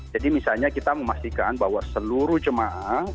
jadi misalnya kita memastikan bahwa seluruh cemaat